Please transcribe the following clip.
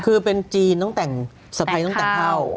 คือเป็นจีนต้องแต่งสะพายต้องแต่งเท่า